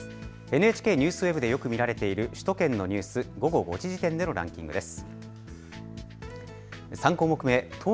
ＮＨＫＮＥＷＳＷＥＢでよく見られている首都圏のニュース、午後５時時点でのランキングです。